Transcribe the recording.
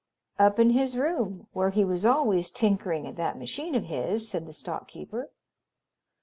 "Up in his room, where he was always tinkering at that machine of his," said the stock keeper.